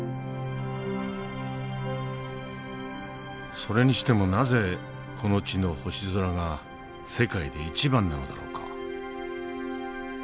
それにしてもなぜこの地の星空が世界で一番なのだろうか？